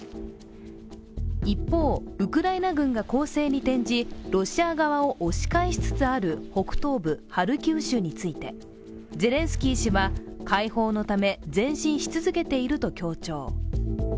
一方、ウクライナ軍が攻勢に転じ、ロシア側を押し返しつつある北東部ハルキウ州について、ゼレンスキー氏は解放のため、前進し続けていると強調。